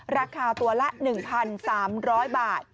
ราคาตัวละ๑๓๐๐บาท